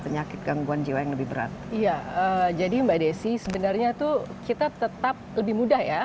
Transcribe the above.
penyakit gangguan jiwa yang lebih berat iya jadi mbak desi sebenarnya itu kita tetap lebih mudah ya